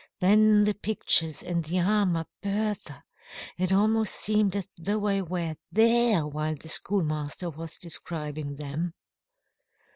Then the pictures and the armour, Bertha! It almost seemed as though I were there while the schoolmaster was describing them."